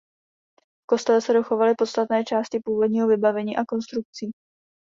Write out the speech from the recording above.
V kostele se dochovaly podstatné části původního vybavení a konstrukcí.